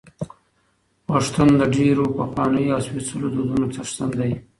پښتون د ډېرو پخوانیو او سپېڅلو دودونو څښتن دی.